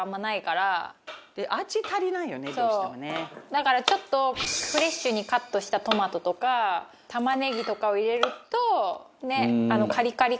だからちょっとフレッシュにカットしたトマトとか玉ねぎとかを入れるとカリカリ感も増すし。